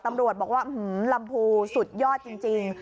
ตำรวจบอกว่าลำพูสุดยอดจริง